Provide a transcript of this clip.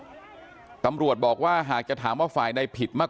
โคศกรรชาวันนี้ได้นำคลิปบอกว่าเป็นคลิปที่ทางตำรวจเอามาแถลงวันนี้นะครับ